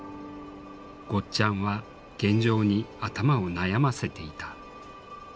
ゴッちゃんは現状に頭を悩ませていた。